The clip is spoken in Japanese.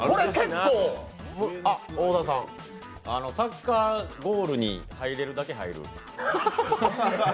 サッカーボールに入れるだけ入る。